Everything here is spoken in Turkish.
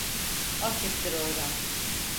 Hassiktir oradan…